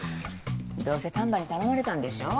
どうせ丹波に頼まれたんでしょ？